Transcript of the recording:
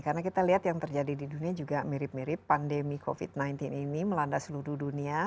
karena kita lihat yang terjadi di dunia juga mirip mirip pandemi covid sembilan belas ini melanda seluruh dunia